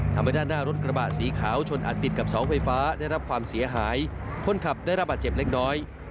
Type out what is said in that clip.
ด้านหน้ารถกระบะสีขาวชนอัดติดกับเสาไฟฟ้าได้รับความเสียหายคนขับได้รับบาดเจ็บเล็กน้อย